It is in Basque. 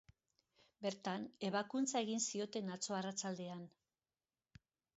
Bertan, ebakuntza egin zioten atzo arratsaldean.